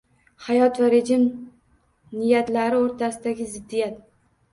Hayot va rejim niyatlari o‘rtasidagi ziddiyat